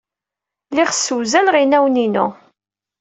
Lliɣ ssewzaleɣ inawen-inu.